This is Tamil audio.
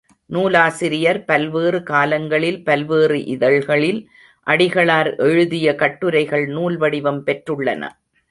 நூலாசிரியர் பல்வேறு காலங்களில் பல்வேறு இதழ்களில் அடிகளார் எழுதிய கட்டுரைகள் நூல்வடிவம் பெற்றுள்ளன.